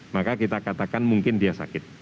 maka kita katakan mungkin dia sakit